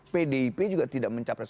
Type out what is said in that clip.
pdip juga tidak mencapres